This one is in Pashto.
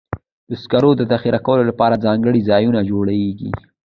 د سکرو ذخیره کولو لپاره ځانګړي ځایونه جوړېږي.